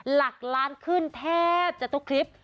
หลักล้านขึ้นแทบจะทุกคลิป